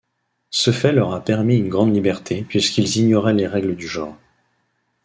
Ce fait leur a permis une grande liberté, puisqu’ils ignoraient les règles du genre.